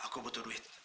aku butuh duit